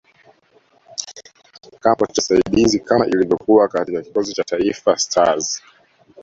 kama kocha msaidizi kama ilivyokuwa katika kikosi cha Taifa Stars